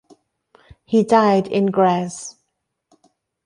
He died in Graz.